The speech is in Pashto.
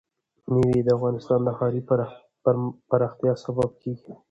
مېوې د افغانستان د ښاري پراختیا سبب کېږي.